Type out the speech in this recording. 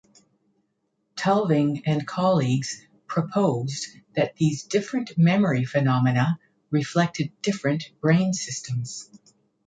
Tulving and colleagues proposed that these different memory phenomena reflected different brain systems.